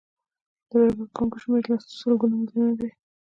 د رایې ورکوونکو شمیر سلګونه میلیونه دی.